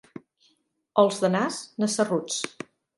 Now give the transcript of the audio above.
Els de Nas, nassarruts.